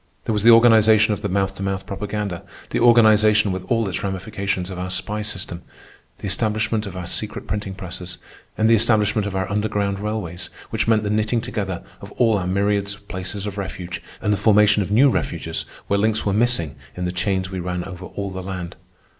There was the organization of the mouth to mouth propaganda; the organization, with all its ramifications, of our spy system; the establishment of our secret printing presses; and the establishment of our underground railways, which meant the knitting together of all our myriads of places of refuge, and the formation of new refuges where links were missing in the chains we ran over all the land.